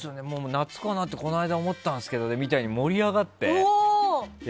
夏かなってこの間思ったんですけどねみたいに盛り上がって。